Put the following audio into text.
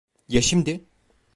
Ya şimdi?